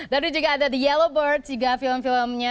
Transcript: lalu juga ada the yellow bird juga film filmnya